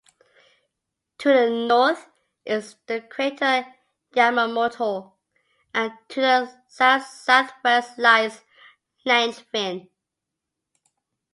To the north is the crater Yamamoto, and to the south-southwest lies Langevin.